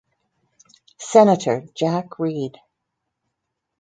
Senator Jack Reed.